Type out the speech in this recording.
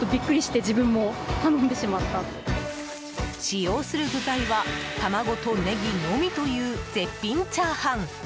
使用する具材は卵とネギのみという絶品チャーハン！